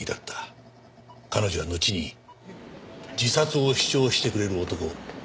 彼女はのちに自殺を主張してくれる男